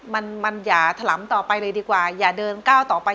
มันมันอย่าถลำต่อไปเลยดีกว่าอย่าเดินก้าวต่อไป